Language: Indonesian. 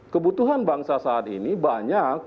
kebutuhan bangsa saat ini banyak